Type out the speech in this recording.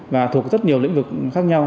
và thuộc rất nhiều lĩnh vực khác nhau